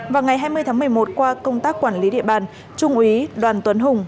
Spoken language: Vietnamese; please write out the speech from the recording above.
vào ngày hai mươi tháng một mươi một qua công tác quản lý địa bàn trung úy đoàn tuấn hùng